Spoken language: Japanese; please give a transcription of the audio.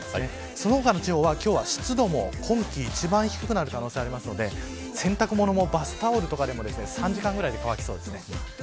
その他の地方は湿度は今季一番低くなる可能性があるんで洗濯物、バスタオルとかも３時間ぐらいで乾きそうです。